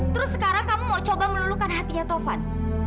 terus sekarang kamu mau coba melulukan hatinya tovan